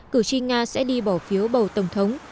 cử tri nga sẽ đi bỏ phiếu bầu tổng thống